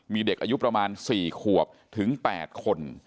มีเด็กอายุประมาณ๔ขวบถึง๘คน